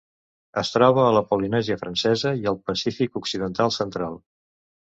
Es troba a la Polinèsia Francesa i al Pacífic occidental central.